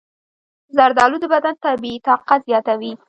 زردآلو د بدن طبیعي طاقت زیاتوي.